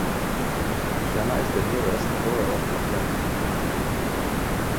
Syama is the nearest rural locality.